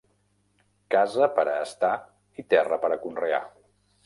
Casa per a estar i terra per a conrear.